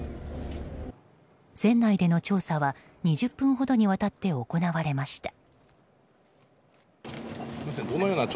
船内での調査は２０分ほどにわたって行われました。